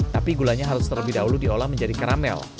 tapi gulanya harus terlebih dahulu diolah menjadi karamel